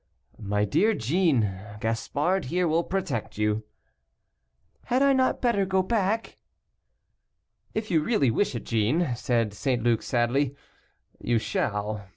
"My dear Jeanne, Gaspard here will protect you." "Had I not better go back?" "If you really wish it, Jeanne," said St. Luc, sadly, "you shall.